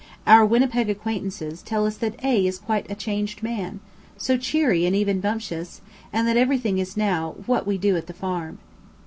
Our Winnipeg acquaintances tell us that A is quite a changed man, so cheery and even bumptious, and that everything is now "What we do at the farm."